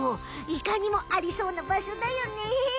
いかにもありそうなばしょだよね。